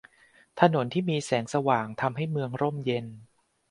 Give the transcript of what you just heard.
ถนนที่มีแสงสว่างทำให้เมืองร่มเย็น